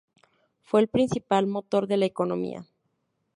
Fue el principal motor de la economía.